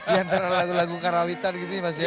yang terlalu lagu karawitan gitu ya mas ya